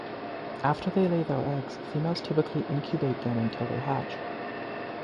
After they lay their eggs, females typically incubate them until they hatch.